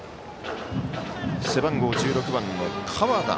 背番号１６番の河田。